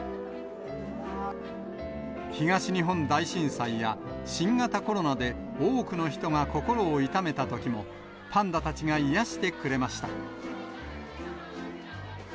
東日本大震災や新型コロナで多くの人が心を痛めたときも、パンダたちが癒やしてくれました。